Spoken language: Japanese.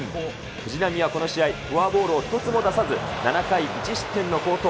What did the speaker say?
藤浪はこの試合、フォアボールを一つも出さず、７回１失点の好投。